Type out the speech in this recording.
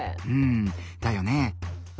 うんだよね。